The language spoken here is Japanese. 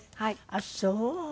ああそう！